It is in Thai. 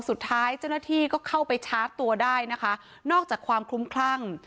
สุดท้ายเจ้าหน้าที่ก็เข้าไปชาร์จตัวได้นะคะนอกจากความคลุ้มคลั่ง